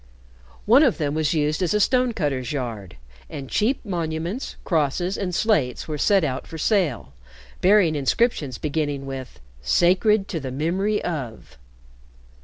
One of them was used as a stone cutter's yard, and cheap monuments, crosses, and slates were set out for sale, bearing inscriptions beginning with "Sacred to the Memory of."